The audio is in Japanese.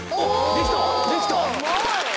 できた！